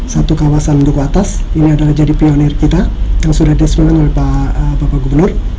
satu kawasan duku atas ini adalah jadi pionir kita yang sudah diesmen oleh bapak gubernur